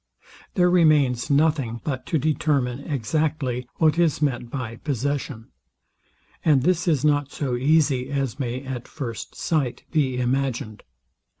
There remains nothing, but to determine exactly, what is meant by possession; and this is not so easy as may at first sight be imagined.